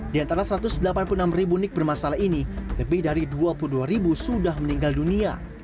di antara satu ratus delapan puluh enam ribu nik bermasalah ini lebih dari dua puluh dua ribu sudah meninggal dunia